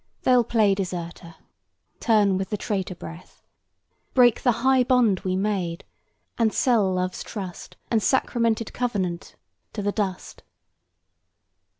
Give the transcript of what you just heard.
They'll play deserter, turn with the traitor breath, Break the high bond we made, and sell Love's trust And sacramented covenant to the dust.